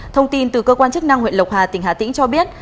thông tin từ cơ quan chức năng huyện lộc hà tỉnh hà tĩnh cho biết